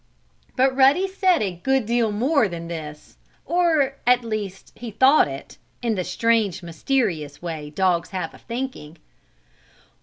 But Ruddy said a good deal more than this, or, at least, he thought it, in the strange, mysterious way dogs have of thinking.